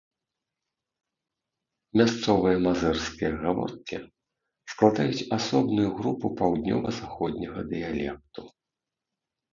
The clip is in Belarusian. Мясцовыя мазырскія гаворкі складаюць асобную групу паўднёва-заходняга дыялекту.